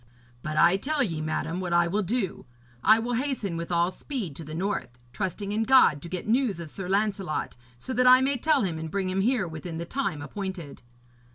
But I tell ye, madam, what I will do. I will hasten with all speed to the north, trusting in God to get news of Sir Lancelot, so that I may tell him and bring him here within the time appointed.'